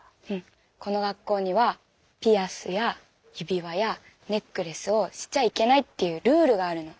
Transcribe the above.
この学校にはピアスや指輪やネックレスをしちゃいけないっていうルールがあるの。